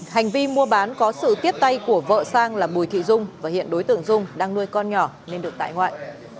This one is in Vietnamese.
hành vi mua bán có sự tiếp tay của vợ sang là bùi thị dung và hiện đối tượng dung đang nuôi con nhỏ nên được tại ngoại